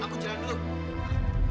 aku jalan dulu